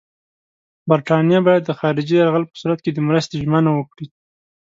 برټانیه باید د خارجي یرغل په صورت کې د مرستې ژمنه وکړي.